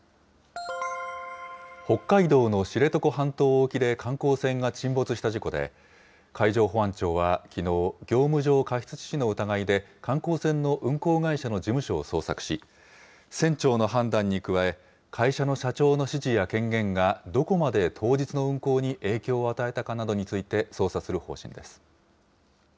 北海道の知床半島沖で観光船が沈没した事故で、海上保安庁はきのう、業務上過失致死の疑いで、観光船の運航会社の事務所を捜索し、船長の判断に加え、会社の社長の指示や権限がどこまで当日の運航に影響を与えたかなどについて捜査する方針です。